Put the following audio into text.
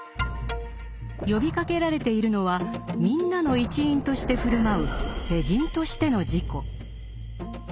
呼びかけられているのは「みんな」の一員として振る舞う「世人としての自己」。